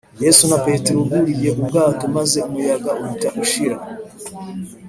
Yesu na petero buriye ubwato maze umuyaga uhita ushira